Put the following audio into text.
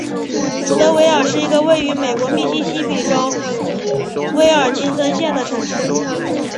伍德维尔是一个位于美国密西西比州威尔金森县的城市。